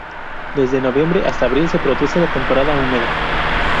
Desde noviembre hasta abril se produce la temporada húmeda.